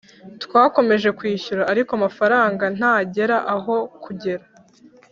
Twakomeje kwishyura ariko amafaranga ntagera aho kugera